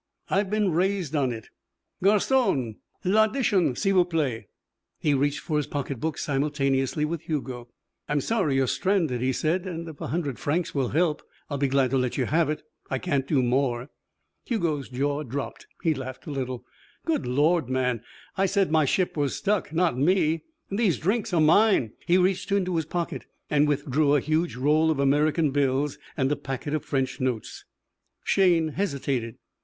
"I've been raised on it. Garçon, l'addition, s'il vous plaît." He reached for his pocketbook simultaneously with Hugo. "I'm sorry you're stranded," he said, "and if a hundred francs will help, I'll be glad to let you have it. I can't do more." Hugo's jaw dropped. He laughed a little. "Good lord, man, I said my ship was stuck. Not me. And these drinks are mine." He reached into his pocket and withdrew a huge roll of American bills and a packet of French notes. Shayne hesitated.